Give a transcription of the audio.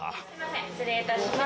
失礼いたします。